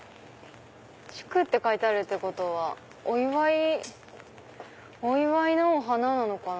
「祝」って書いてあるってことはお祝いのお花なのかな？